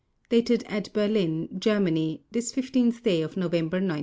Dated at Berlin, Germany, this 15th day of November 1945.